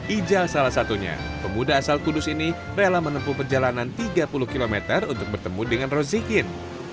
ija salah satunya pemuda asal kudus ini rela menempuh perjalanan tiga puluh km untuk bertemu dengan rozikin